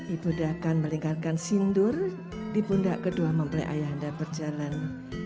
ibu anda akan melingkarkan sindur di bunda kedua mempelai ayah anda berjalan